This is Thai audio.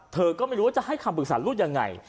เธอก็ไม่รู้ว่าจะให้คำปรึกษาลูกยังไง